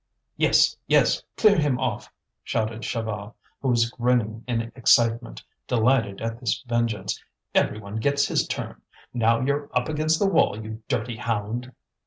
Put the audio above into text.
"Yes! yes! clear him off!" shouted Chaval, who was grinning in excitement, delighted at this vengeance. "Every one gets his turn; now you're up against the wall, you dirty hound!"